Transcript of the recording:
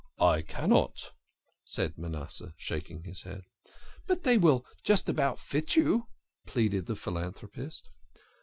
" I cannot,' 1 said Manasseh, shaking his head. " But they will just about fit you," pleaded the philan thropist.